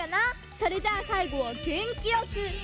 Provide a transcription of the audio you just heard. それじゃあさいごはげんきよく！